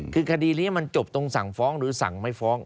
คือคดีนี้มันจบตรงสั่งฟ้องหรือสั่งไม่ฟ้อง